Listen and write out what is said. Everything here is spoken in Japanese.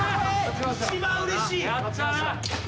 一番うれしい！